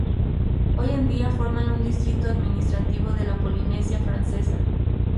Hoy en día forman un distrito administrativo de la Polinesia Francesa.